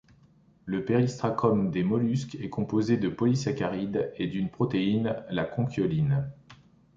Le périostracum des mollusques est composé de polysaccharides et d'une protéine, la conchyoline.